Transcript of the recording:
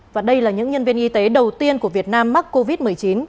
và đây là những nhân viên y tế đầu tiên của việt nam mắc covid một mươi chín